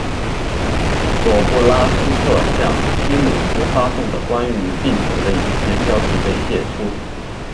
佐布拉斯特向西姆斯发送的关于病毒的影片消息被泄出。